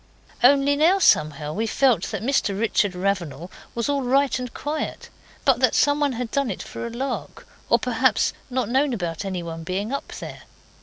Only now somehow we felt that Mr Richard Ravenal was all right and quiet, but that some one had done it for a lark, or perhaps not known about anyone being up there.